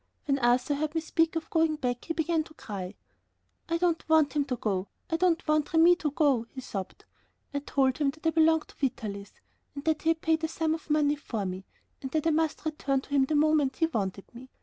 When Arthur heard me speak of going back, he began to cry. "I don't want him to go! I don't want Remi to go," he sobbed. I told him that I belonged to Vitalis, and that he had paid a sum of money for me, and that I must return to him the moment he wanted me.